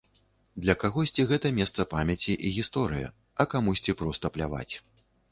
Для кагосьці гэта месца памяці і гісторыя, а камусьці проста пляваць.